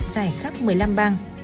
giải khắp một mươi năm bang